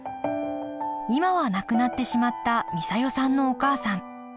今は亡くなってしまった美佐代さんのお母さん。